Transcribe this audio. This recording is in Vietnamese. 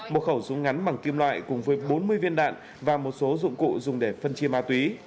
một khẩu súng ngắn bằng kim loại cùng với bốn mươi viên đạn và một số dụng cụ dùng để phân chia ma túy